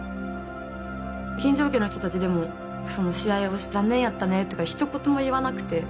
金城家の人たちでも試合をして残念やったねとかひと言も言わなくて。